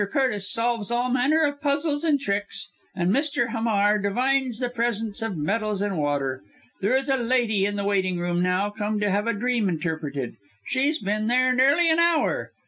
Curtis solves all manner of puzzles and tricks; and Mr. Hamar divines the presence of metals and water. There is a lady in the waiting room now, come to have a dream interpreted. She's been there nearly an hour.